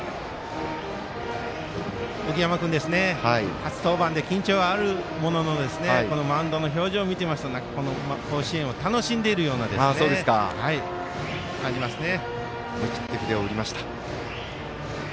荻山君、初登板で緊張はあるもののマウンドの表情を見ていますと甲子園を楽しんでいるように感じますね。